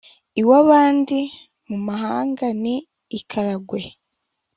iw’abandi: mu mahanga ni i karagwe